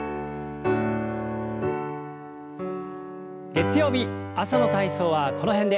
月曜日朝の体操はこの辺で。